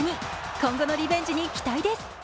今後のリベンジに期待です。